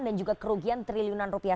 dan juga kerugian triliunan rupiah